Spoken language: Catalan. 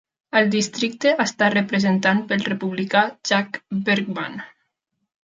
El districte està representant pel republicà Jack Bergman.